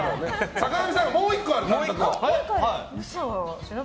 坂上さん、もう１個ある。